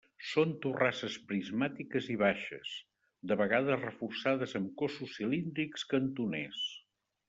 Són torrasses prismàtiques i baixes, de vegades reforçades amb cossos cilíndrics cantoners.